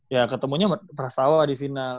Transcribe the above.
ya ketemunya pras tawa di final